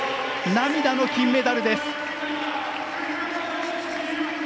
涙の金メダルです。